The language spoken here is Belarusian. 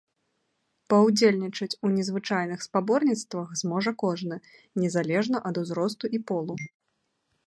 Паўдзельнічаць у незвычайных спаборніцтвах зможа кожны, незалежна ад узросту і полу.